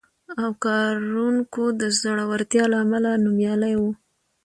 او کارونکو د زړورتیا له امله نومیالی و،